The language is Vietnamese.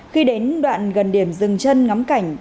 khi đến đoạn gần điểm rừng chân ngắm cảnh